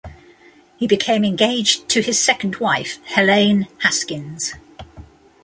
He became engaged to his second wife, Helene Haskins.